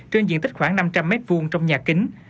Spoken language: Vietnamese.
trên diện tích khoảng năm trăm linh m hai trong nhà kính